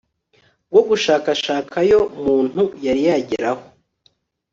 bwo gushakashakayo muntu yari yageraho